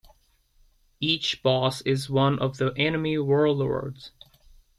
Each boss is one of the enemy warlords.